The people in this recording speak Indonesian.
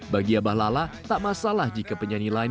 bagi abah lala tak masalah jika penyanyi lain